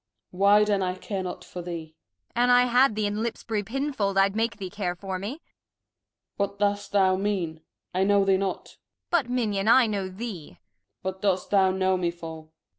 Why then I care not for thee. Kent. An' I had thee in Lipsbury Pinfold, I'd make thee care for me. Gent. What do'st thou mean, I know thee not ? Kent. But, Minion, I know thee. Gent. What dost thou know me for